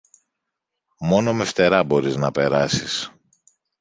Μόνο με φτερά μπορείς να περάσεις.